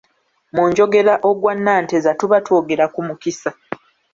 Mu njogera "Ogwa Nanteza" tuba twogera ku mukisa.